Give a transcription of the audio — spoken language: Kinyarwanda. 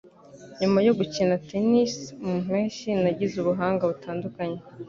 Nyuma yo gukina tennis mu mpeshyi, nagize ubuhanga butandukanye.